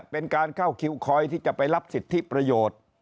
เป็นการเข้าคิวคอยที่จะไปรับสิทธิประโยชน์